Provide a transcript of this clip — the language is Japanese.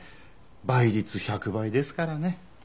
倍率１００倍ですからね。